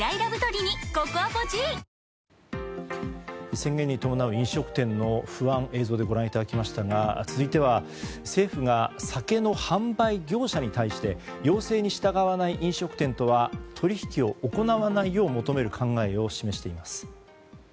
宣言に伴う飲食店の不安映像でご覧いただきましたが続いては、政府が酒の販売業者に対して要請に従わない飲食店とは取引を行わないよう求める考えを示しています。